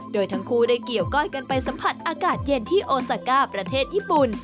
โดยทั้งคู่ได้เกี่ยวก้อยกันไปสัมผัสอากาศเย็นที่โอซาก้าประเทศญี่ปุ่น